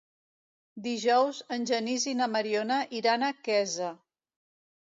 Dijous en Genís i na Mariona iran a Quesa.